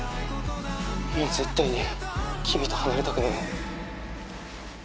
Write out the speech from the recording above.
もう絶対にキミと離れたくない。